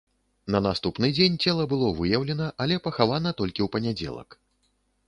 На наступны дзень цела было выяўлена, але пахавана толькі ў панядзелак.